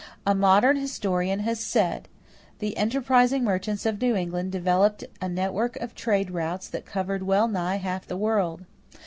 A modern historian has said: "The enterprising merchants of New England developed a network of trade routes that covered well nigh half the world."